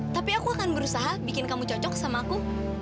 tapi aku akan berusaha bikin kamu cocok sama aku